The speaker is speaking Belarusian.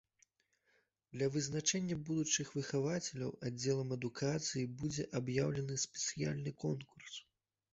Для вызначэння будучых выхавацеляў аддзелам адукацыі будзе аб'яўлены спецыяльны конкурс.